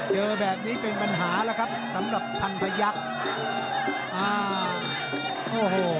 เจอแบบนี้เป็นปัญหาแล้วครับสำหรับทันพยักษ์